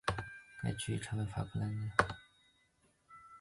该区域成为法兰克福班荷福斯威尔德尔区的中心商业区。